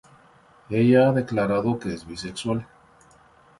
Ella ha declarado que es bisexual.